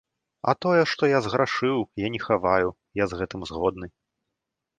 А тое, што я зграшыў, я не хаваю, я з гэтым згодны.